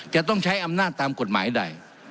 จะต้องใช้อำนาจตามกฎหมายใด